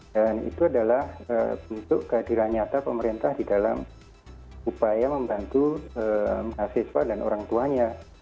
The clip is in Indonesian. dan itu adalah bentuk kehadiran nyata pemerintah di dalam upaya membantu mahasiswa dan orang tuanya